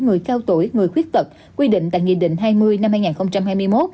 người cao tuổi người khuyết tật quy định tại nghị định hai mươi năm hai nghìn hai mươi một